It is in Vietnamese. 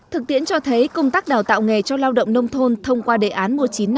thực tiễn cho thấy công tác đào tạo nghề cho lao động nông thôn thông qua đề án một nghìn chín trăm năm mươi